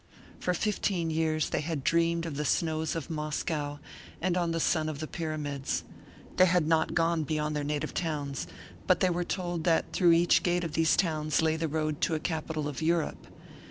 For fifteen years they had dreamed of the snows of Moscow and of the sun of the pyramids. They had not gone beyond their native towns; but they were told that through each gate of these towns lay the road to a capital of Europe.